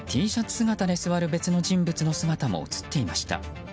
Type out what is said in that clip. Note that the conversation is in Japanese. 姿で座る別の人物の姿も映っていました。